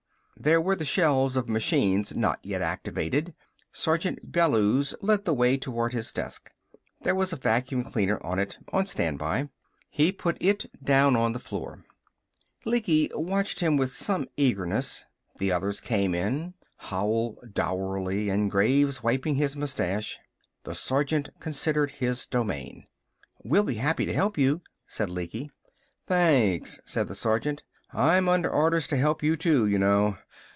There were the shelves of machines not yet activated. Sergeant Bellews led the way toward his desk. There was a vacuum cleaner on it, on standby. He put it down on the floor. Lecky watched him with some eagerness. The others came in, Howell dourly and Graves wiping his moustache. The sergeant considered his domain. "We'll be happy to help you," said Lecky. "Thanks," said the sergeant. "I'm under orders to help you, too, y'know.